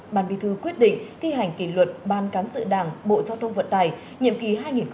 bàn bi thư quyết định thi hành kỷ luật ban cán dự đảng bộ giao thông vận tài nhiệm kỳ hai nghìn một mươi một hai nghìn một mươi sáu